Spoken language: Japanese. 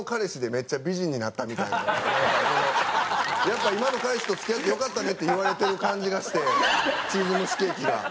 やっぱ今の彼氏と付き合ってよかったねって言われてる感じがしてチーズ蒸しケーキが。